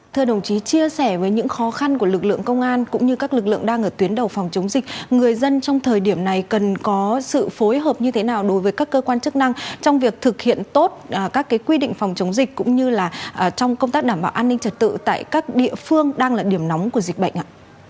thưa đồng chí chia sẻ với những khó khăn của lực lượng công an cũng như các lực lượng đang ở tuyến đầu phòng chống dịch người dân trong thời điểm này cần có sự phối hợp như thế nào đối với các cơ quan chức năng trong việc thực hiện tốt các quy định phòng chống dịch cũng như là trong công tác đảm bảo an ninh trật tự tại các địa phương đang là điểm nóng của dịch bệnh ạ